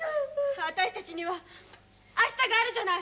私たちには明日があるじゃない！